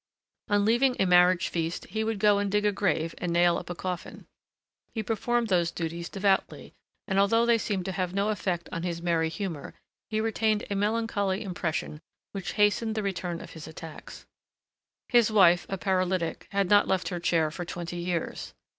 On leaving a marriage feast, he would go and dig a grave and nail up a coffin. He performed those duties devoutly, and although they seemed to have no effect on his merry humor, he retained a melancholy impression which hastened the return of his attacks. His wife, a paralytic, had not left her chair for twenty years.